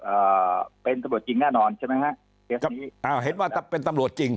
เอ่อเป็นตำรวจจริงแน่นอนใช่ไหมฮะเอ่อเห็นว่าเป็นตำรวจจริง